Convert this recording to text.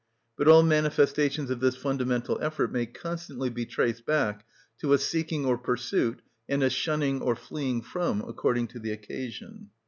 But all manifestations of this fundamental effort may constantly be traced back to a seeking or pursuit and a shunning or fleeing from, according to the occasion.